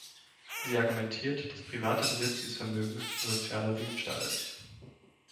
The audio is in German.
Sie argumentiert, dass privater Besitz dieses Vermögens sozialer Dienstahl ist.